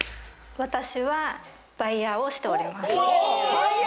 私はバイヤーをしております。